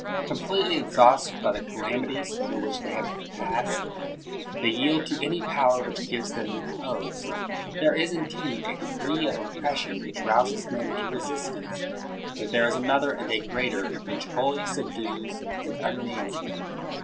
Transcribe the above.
Completely exhausted by the calam ities through which they have passed, they yield to any power which gives them repose. There is, indeed, a degree of oppression which rouses men to resistance; but there is another and a greater, which wholly subdues and unmans them.